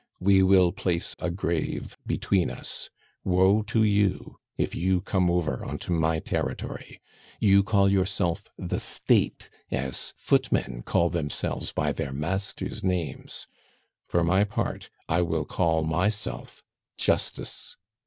We will place a grave between us. Woe to you if you come over on to my territory! "You call yourself the State, as footmen call themselves by their master's names. For my part, I will call myself Justice.